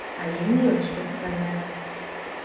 А ім ёсць, што сказаць.